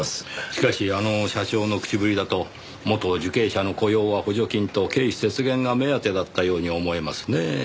しかしあの社長の口ぶりだと元受刑者の雇用は補助金と経費節減が目当てだったように思えますねぇ。